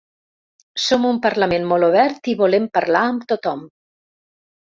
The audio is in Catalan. Som un parlament molt obert i volem parlar amb tothom.